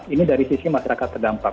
ini dari sisi masyarakat terdampak